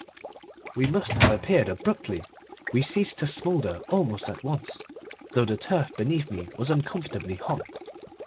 We must have appeared abruptly. We ceased to smoulder almost at once, though the turf beneath me was uncomfortably hot.